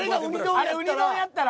あれがうに丼やったら。